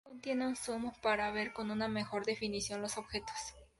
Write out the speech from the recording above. Contiene un zoom para ver con una mejor definición los objetos.